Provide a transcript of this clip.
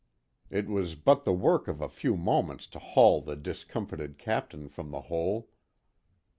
It was but the work of a few moments to haul the discomfited Captain from the hole.